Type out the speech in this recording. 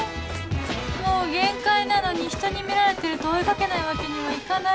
もう限界なのにひとに見られてると追い掛けないわけにはいかない